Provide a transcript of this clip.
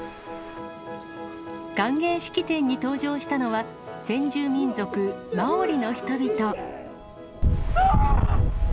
歓迎式典に登場したのは、先住民族マオリの人々。